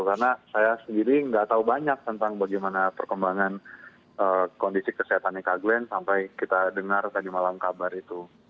karena saya sendiri nggak tahu banyak tentang bagaimana perkembangan kondisi kesehatannya kak glenn sampai kita dengar tadi malam kabar itu